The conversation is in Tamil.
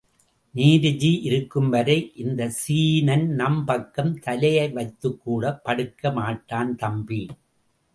நேருஜி இருக்கும்வரை இந்தச் சீனன் நம் பக்கம் தலைவைத்துக்கூட படுக்க மாட்டான், தம்பி!....